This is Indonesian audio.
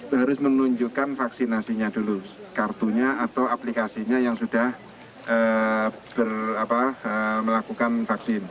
harus menunjukkan vaksinasinya dulu kartunya atau aplikasinya yang sudah melakukan vaksin